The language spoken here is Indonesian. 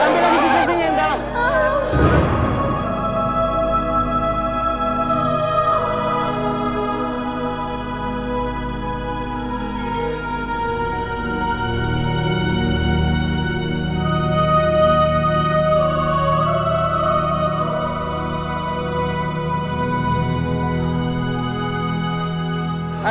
ambil lagi sisi ini mbak